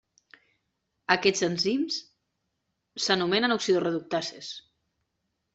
Aquests enzims s'anomenen oxidoreductases.